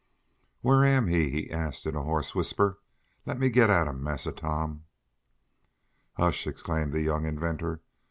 "Whar am he?" he asked in a hoarse whisper. "Let me git at him, Massa Tom!" "Hush!" exclaimed the young inventor.